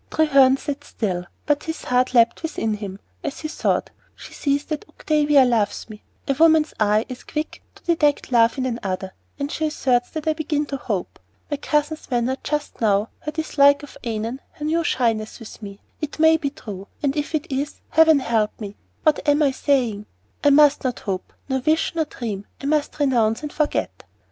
Treherne still sat silent, but his heart leaped within him, as he thought, "She sees that Octavia loves me! A woman's eye is quick to detect love in another, and she asserts what I begin to hope. My cousin's manner just now, her dislike of Annon, her new shyness with me; it may be true, and if it is Heaven help me what am I saying! I must not hope, nor wish, nor dream; I must renounce and forget."